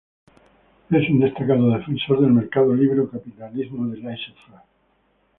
Es un destacado defensor del mercado libre o capitalismo de laissez-faire.